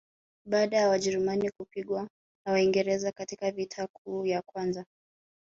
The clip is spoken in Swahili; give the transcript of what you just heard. baada ya wajerumani kupigwa na waingereza katika vita kuu ya kwanza